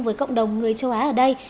với cộng đồng người châu á ở đây